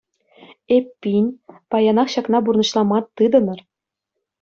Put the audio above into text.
Эппин, паянах ҫакна пурнӑҫлама тытӑнӑр!